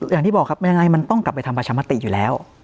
อย่างที่บอกครับยังไงมันต้องกลับไปทำประชามติอยู่แล้ว